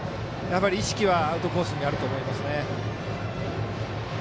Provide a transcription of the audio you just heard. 意識はアウトコースにあると思います。